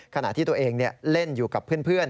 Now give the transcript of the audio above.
ขณะที่ตัวเองเล่นอยู่กับเพื่อน